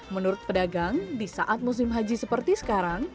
menurut pedagang di saat musim haji seperti sekarang